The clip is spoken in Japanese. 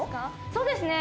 そうですね。